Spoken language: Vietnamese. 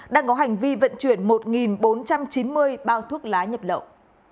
đang có hành vi vận chuyển một bốn trăm chín mươi bao thuốc lá nhập lậu